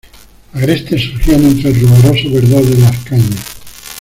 Agrestes surgían entre el rumoroso verdor de las cañas.